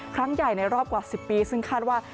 ครั้งใหญ่ในรอบกว่า๑๐ปีซึ่งคาดว่า